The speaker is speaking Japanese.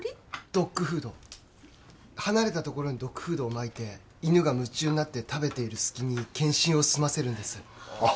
ドッグフード離れたところにドッグフードをまいて犬が夢中になって食べている隙に検針を済ませるんですあ